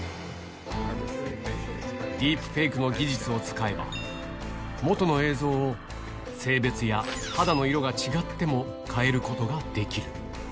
ディープフェイクの技術を使えば、元の映像を性別や肌の色が違っても変えることができる。